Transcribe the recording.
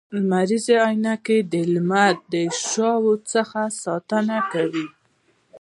لمریزي عینکي د لمر د شعاوو څخه ساتنه کوي